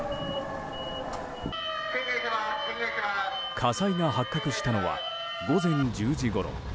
火災が発覚したのは午前１０時ごろ。